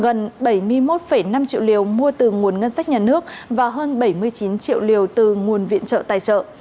gần bảy mươi một năm triệu liều mua từ nguồn ngân sách nhà nước và hơn bảy mươi chín triệu liều từ nguồn viện trợ tài trợ